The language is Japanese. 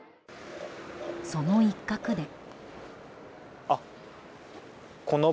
その一角で。